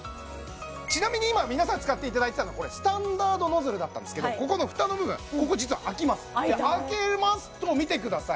ちなみに今皆さんに使っていただいてたのはこれスタンダードノズルだったんですけどここの蓋の部分ここ実は開きます開けますと見てください